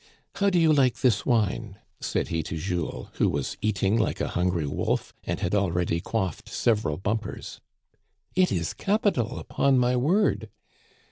" How do you like this wine ?" said he to Jules, who was eating like a hungry wolf, and had already quaffed several bumpers. " It is capital, upon my word."